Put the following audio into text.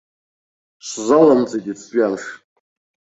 Сзалымҵит иацтәи амш.